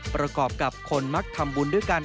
ประกอบกับคนมักทำบุญด้วยกัน